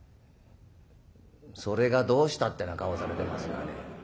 「それがどうした」ってな顔されてますがね